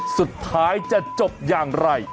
สุดท้ายจะจบอย่างไร